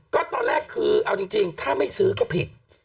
ก็ตอนแรกคือเอาจริงถ้าไม่ซื้อก็ผิด